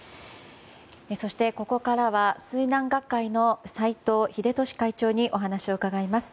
そして、ここからは水難学会の斎藤秀俊会長にお話を伺います。